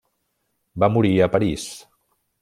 Va morir a París.